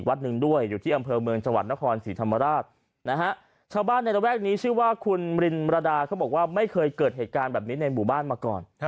ก็ชื่อว่าคุณมรินรดาเขาบอกว่าไม่เคยเกิดเหตุการณ์แบบนี้ในหมู่บ้านมาก่อน